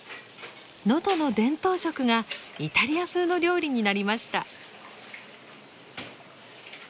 能登の伝統食がイタリア風の料理になりました。